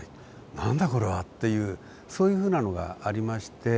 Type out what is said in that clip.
「何だこれは」っていうそういうふうなのがありまして。